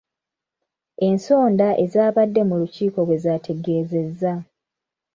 Ensonda ezaabadde mu lukiiko bwe zaategeezezza.